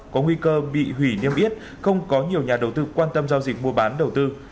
có nguy cơ bị hủy niêm yết không có nhiều nhà đầu tư quan tâm giao dịch mua bán đầu tư